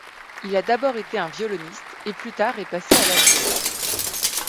Il a d'abord été un violoniste et plus tard est passé à l'alto.